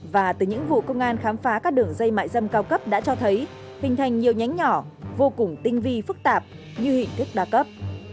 và từ những vụ công an khám phá các đường dây mại dâm cao cấp đã cho thấy hình thành nhiều nhánh nhỏ vô cùng tinh vi phức tạp như hình thức đa cấp